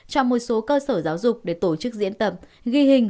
cho một số cơ sở giáo dục để tổ chức diễn tập ghi hình